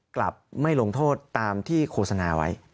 กลับไม่ลงโทษตามที่โฆษณาไว้